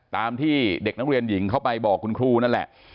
ตามที่เด็กนักเรียนหญิงเข้าไปบอกคุณครูนั่นแหละ